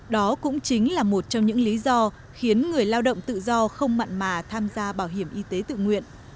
đó cũng chính là một trong những lý do khiến người lao động tự do không mặn mà tham gia bảo hiểm y tế tự nguyện